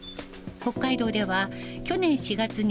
北海道では去年４月に、